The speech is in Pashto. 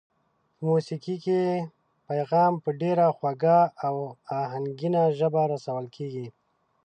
په موسېقۍ کې پیغام په ډېره خوږه او آهنګینه ژبه رسول کېږي.